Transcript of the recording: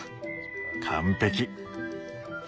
完璧。